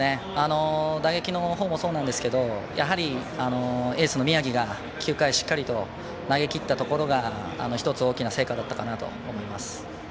打撃のほうもそうですがやはりエースの宮城が９回しっかりと投げきったところが１つ大きな成果だったと思います。